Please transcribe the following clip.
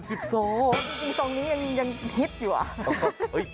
จริงตรงนี้ยังฮิตอยู่อ่ะ